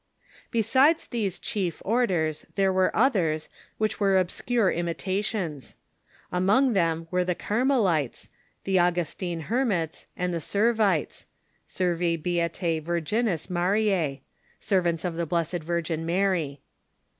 Besides these chief orders, there were others, which were obscure imitations. Among them were the Carmelites, the Augustine Hermits, and the Servites — Servi bea Obscure Orders ^...,,./,., m ,^^. tae virgims Mariae (servants of the IJIessed v ir gin Mary).